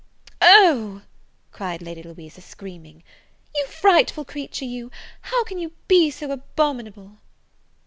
"Oh!" cried Lady Louisa, screaming; "you frightful creature, you, how can you be so abominable?"